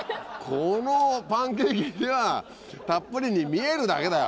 このパンケーキにはたっぷりに見えるだけだよ！